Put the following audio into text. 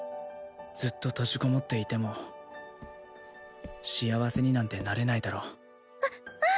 ずっと閉じこもっていても幸せになんてなれないだろううん！